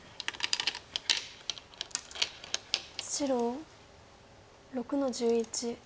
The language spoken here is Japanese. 白６の十一。